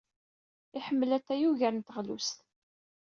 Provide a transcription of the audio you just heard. Iḥemmel atay ugar n teɣlust.